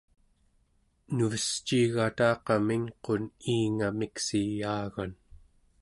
nuvesciigataqa mingqun iinga miksiyaagan